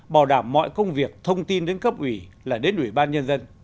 bảo đảm mọi công việc thông tin đến cấp ủy là đến ủy ban nhân dân